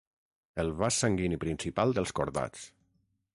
El vas sanguini principal dels cordats.